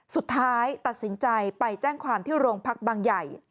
สุดท้ายตัดสินใจไปแจ้งความที่โรงพักบางใหญ่